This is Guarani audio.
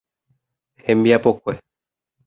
Hembiapokue.